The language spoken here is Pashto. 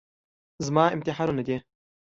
زما امتحانونه دي.